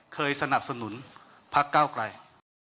เคยสนับสนุนพักเก้าไกล